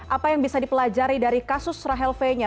apa yang bisa dipelajari dari kasus rahel v nya